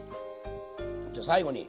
じゃあ最後に。